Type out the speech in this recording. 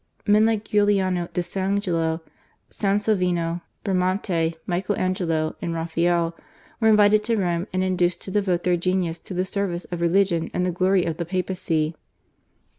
Men like Giuliano da Sangello, Sansovino, Bramante, Michael Angelo, and Raphael were invited to Rome and induced to devote their genius to the service of religion and the glory of the Papacy.